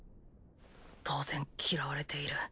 当然嫌われている。